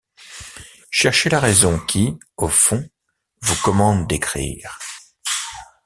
Cherchez la raison qui, au fond, vous commande d'écrire.